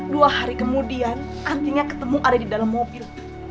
dua hari kemudian antinya ketemu ada di dalam mobil